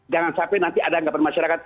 jangan sampai nanti ada anggapan masyarakat